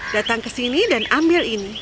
datang ke sini dan ambil ini